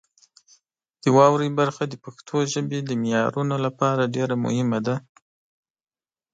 د واورئ برخه د پښتو ژبې د معیارونو لپاره ډېره مهمه ده.